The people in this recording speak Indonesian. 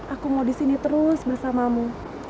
aku mau disini terus bersamamu